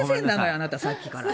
あなた、さっきから。